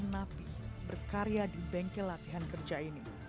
dua ratus delapan puluh delapan napi berkarya di bengkel latihan kerja ini